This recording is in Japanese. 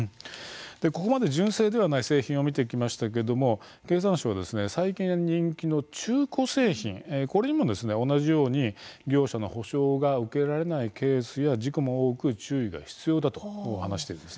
ここまで純正ではない製品を見てきましたけれども経産省は最近人気の中古製品これにも同じように業者の補償が受けられないケースや事故が多く注意が必要だと話しているんです。